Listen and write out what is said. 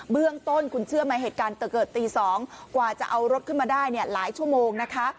เบื้องต้นคุณเชื่อไหมเหตุการณ์เกิดตี๒กว่าจะเอารถขึ้นมาได้เนี่ยหลายชั่วโมงนะคะ